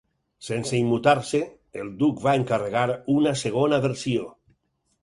Sense immutar-se, el duc va encarregar una segona versió.